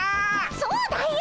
そうだよ！